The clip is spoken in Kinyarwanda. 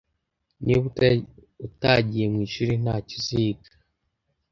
Niba utagiye mwishuri, ntacyo uziga.